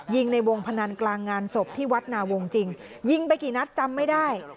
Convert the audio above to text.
ยิงในวงพนันกลางงานศพที่วัดนาวงจริงยิงไปกี่นัดจำไม่ได้